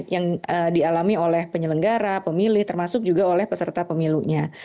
yang dialami oleh penyelenggara pemilih termasuk juga oleh peserta pemilunya